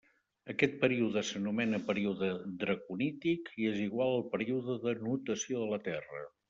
Aquest període s'anomena període draconític, i és igual al període de nutació de la Terra.